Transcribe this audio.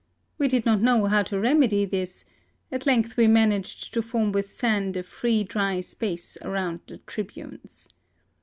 We did not know how to remedy this : at length we managed to form with sand a free dry space round the tribunes.